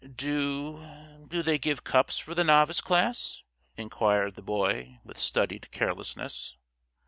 "Do do they give cups for the Novice Class?" inquired the Boy, with studied carelessness.